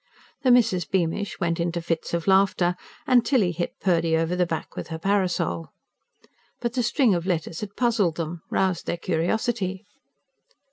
The Misses Beamish went into fits of laughter, and Tilly hit Purdy over the back with her parasol. But the string of letters had puzzled them, roused their curiosity.